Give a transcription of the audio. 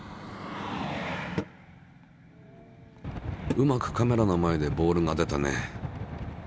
うまくカメラの前でボールが出たね。